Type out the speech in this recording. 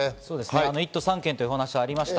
１都３県という話がありました。